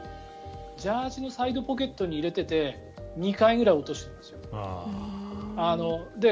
ジャージーのサイドポケットに入れてて２回くらい落としてるんです。